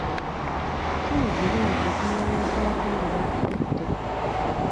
Kale gireete tuneewozaako nga batukutte.